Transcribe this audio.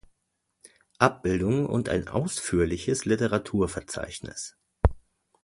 Abbildungen und ein ausführliches Literaturverzeichnis.